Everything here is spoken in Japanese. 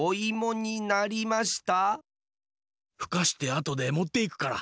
ふかしてあとでもっていくから。